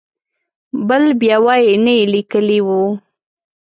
بل بیا وایي نه یې لیکلی و.